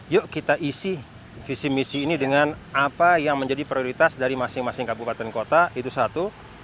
yuk kita isi visi misi ini dengan apa yang menjadi prioritas dari masing masing kabupaten kota itu satu